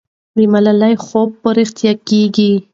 د ملالۍ خوب به رښتیا کېږي.